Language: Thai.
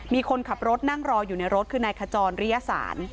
มีคนขับรถนั่งรออยู่ในรถคือนายขจรริยสาร